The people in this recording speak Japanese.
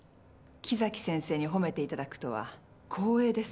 木崎先生に褒めていただくとは光栄です。